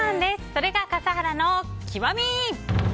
それが笠原の極み。